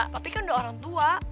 tapi kan udah orang tua